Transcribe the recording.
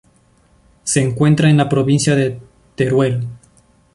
Se encuentra en la provincia de Teruel.